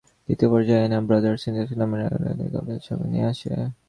দ্বিতীয় পর্যায়ে এনা brothers international নামের অপর একটি কোম্পানিকে সামনে নিয়ে আসে।